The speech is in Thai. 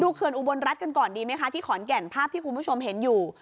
เขื่อนอุบลรัฐกันก่อนดีไหมคะที่ขอนแก่นภาพที่คุณผู้ชมเห็นอยู่